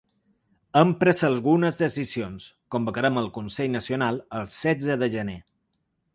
Hem pres algunes decisions: convocarem el consell nacional el setze de gener.